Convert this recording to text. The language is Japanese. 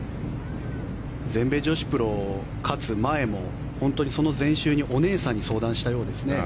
全米女子プロを勝つ前も本当にその前週にお姉さんに相談したようですね。